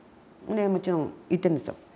もちろん行ってるんですよ。